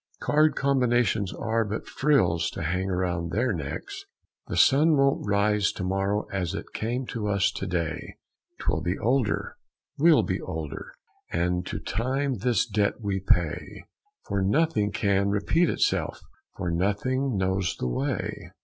Card combinations are but frills to hang around their necks. "The sun won't rise to morrow as it came to us to day, 'Twill be older, we'll be older, and to Time this debt we pay. For nothing can repeat itself, for nothing knows the way."